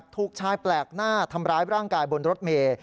ถูกชายแปลกหน้าทำร้ายร่างกายบนรถเมย์